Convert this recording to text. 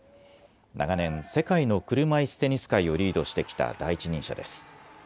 長年、世界の車いすテニス界をリードしてきた第一人者です。